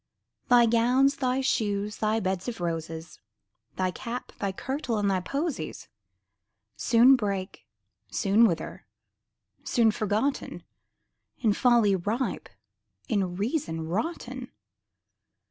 Thy gowns, thy shoes, thy beds of roses, Thy cap, thy kirtle, and thy posies Soon break, soon wither, soon forgotten, In folly ripe, in reason rotten.